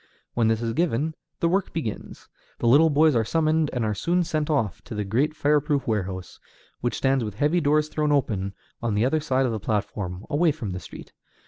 When this is given, the work begins; the little boys are summoned, and are soon sent off to the great fire proof warehouse, which stands with heavy doors thrown open, on the other side of the platform, away from the street.